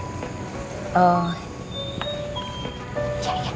saya cuma tidak mau kalau nanti andin justru disakiti